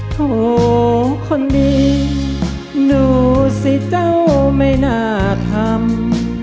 โถคนนี้ดูสิเจ้าไม่น่าทำ